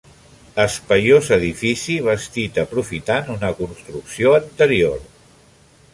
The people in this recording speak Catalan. Espaiós edifici bastit aprofitant una construcció anterior.